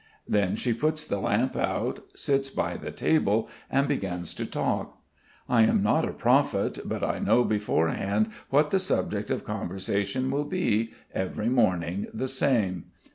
Then she puts the lamp out, sits by the table and begins to talk. I am not a prophet but I know beforehand what the subject of conversation will be, every morning the same.